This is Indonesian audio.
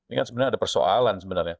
ini kan sebenarnya ada persoalan sebenarnya